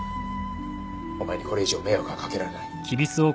お前にこれ以上迷惑はかけられない。